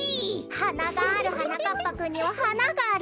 はながあるはなかっぱくんにははながあるわ。